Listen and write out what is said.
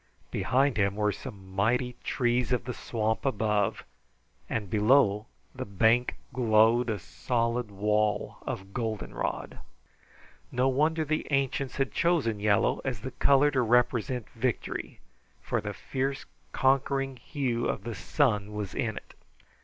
Behind him were some mighty trees of the swamp above, and below the bank glowed a solid wall of goldenrod. No wonder the ancients had chosen yellow as the color to represent victory, for the fierce, conquering hue of the sun was in it.